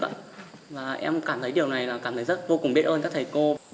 và em cảm thấy điều này là cảm thấy rất vô cùng biết ơn các thầy cô